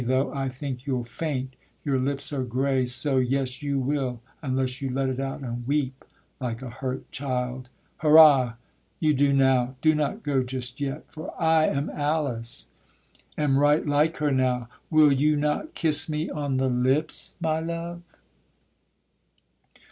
though, I think you'll faint, Your lips are grey so; yes, you will, unless You let it out and weep like a hurt child; Hurrah! you do now. Do not go just yet, For I am Alice, am right like her now, Will you not kiss me on the lips, my love?